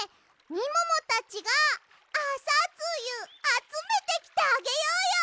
みももたちがあさつゆあつめてきてあげようよ！